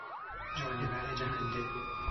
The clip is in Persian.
جانور جهنده